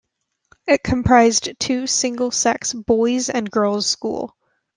It comprises two single-sex boys and girls school.